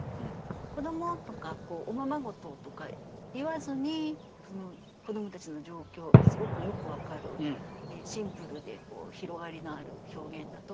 「子ども」とか「おままごと」とか言わずに子どもたちの状況がすごくよく分かるシンプルで広がりのある表現だと思います。